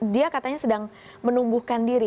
dia katanya sedang menumbuhkan diri